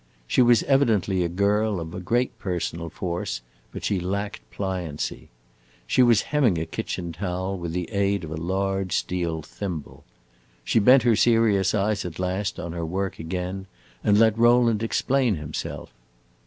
She was evidently a girl of a great personal force, but she lacked pliancy. She was hemming a kitchen towel with the aid of a large steel thimble. She bent her serious eyes at last on her work again, and let Rowland explain himself.